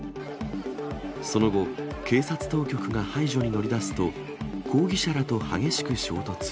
その後、警察当局が排除に乗り出すと、抗議者らと激しく衝突。